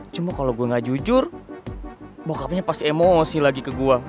cuma kalau gue gak jujur bokapnya pas emosi lagi ke gua